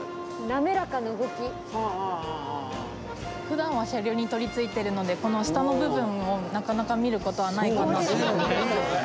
ふだんは車両に取り付いてるのでこの下の部分をなかなか見ることはないかなと思います。